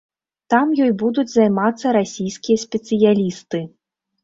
Там ёй будуць займацца расійскія спецыялісты.